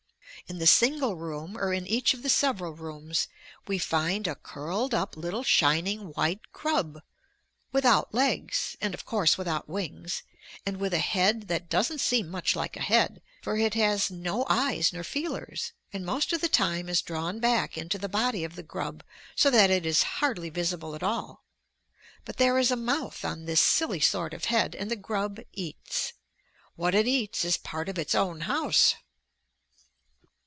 In the single room, or in each of the several rooms, we find a curled up little shining white grub without legs, and of course without wings, and with a head that doesn't seem much like a head, for it has no eyes nor feelers, and most of the time is drawn back into the body of the grub so that it is hardly visible at all. But there is a mouth on this silly sort of head, and the grub eats. What it eats is part of its own house!